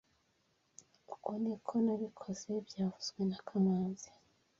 Uku niko nabikoze byavuzwe na kamanzi